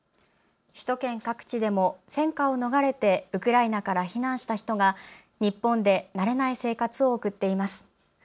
首都圏各地でも戦火を逃れてウクライナから避難した人が日本で慣れない生活を送っています。